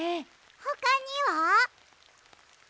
ほかには？